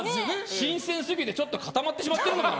新鮮すぎて固まってしまってるのかな。